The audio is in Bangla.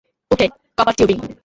Okay, copper tubing.